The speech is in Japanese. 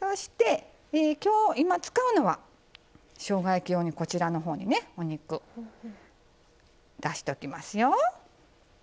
そして今日今使うのはしょうが焼き用にこちらのほうにねお肉出しておきますよ。